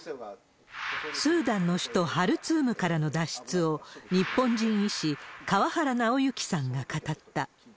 スーダンの首都ハルツームからの脱出を日本人医師、川原尚行さんが語った。